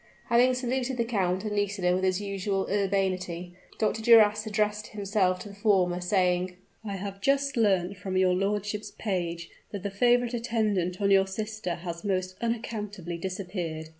Having saluted the count and Nisida with his usual urbanity, Dr. Duras addressed himself to the former, saying, "I have just learnt from your lordship's page that the favorite attendant on your sister has most unaccountably disappeared."